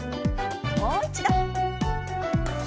もう一度。